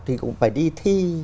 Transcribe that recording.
thì cũng phải đi thi